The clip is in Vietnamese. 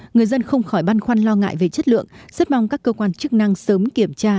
người dân không khỏi băn khoăn lo ngại về chất lượng rất mong các cơ quan chức năng sớm kiểm tra